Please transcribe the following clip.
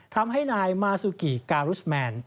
ทำให้นายมาซูกิการุชแมน